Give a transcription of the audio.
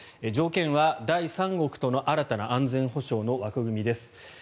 条件は第三国との新たな安全保障の枠組みです。